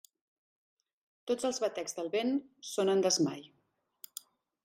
Tots els batecs del vent són en desmai.